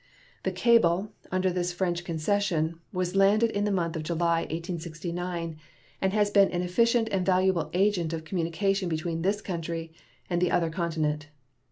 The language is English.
The cable, under this French concession, was landed in the month of July, 1869, and has been an efficient and valuable agent of communication between this country and the other continent.